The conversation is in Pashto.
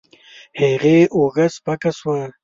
هغې اوږه سپکه شوه.